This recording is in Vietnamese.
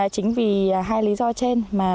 chính vì hai lý do trên mà tôi